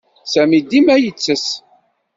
Sami dima yettess.